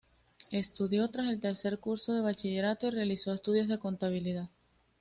Estudió hasta el tercer curso de bachillerato y realizó estudios de contabilidad.